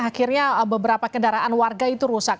akhirnya beberapa kendaraan warga itu rusak